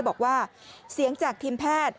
บอกว่าเสียงจากทีมแพทย์